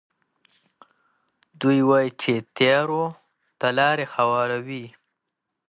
دوی وايي چې تیارو ته لارې هواروي.